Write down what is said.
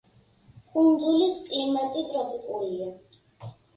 კუნძულის კლიმატი ტროპიკულია.